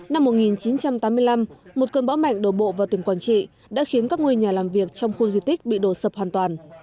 năm một nghìn chín trăm tám mươi năm một cơn bão mạnh đổ bộ vào tỉnh quảng trị đã khiến các ngôi nhà làm việc trong khu di tích bị đổ sập hoàn toàn